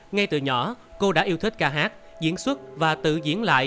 ngay từ nhỏ cô đã yêu thích ca hát diễn xuất và tự diễn lại